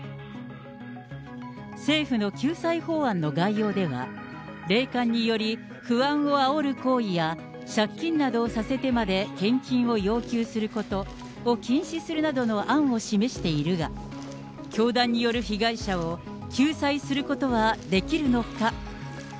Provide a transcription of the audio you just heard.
政府の救済法案の概要では、霊感により、不安をあおる行為や借金などをさせてまで献金を要求することを禁止するなどの案を示しているが、教団による被害者を救済することはできるのか。